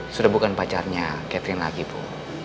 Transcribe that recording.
sudah bukan pacarnya catherine lagi bu